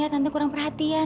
tante kurang perhatian